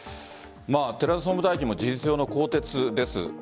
寺田総務大臣も事実上の更迭です。